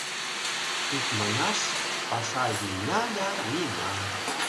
Икманаш, паша вийна да вийна.